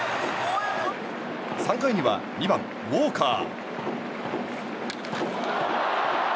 ３回には２番、ウォーカー。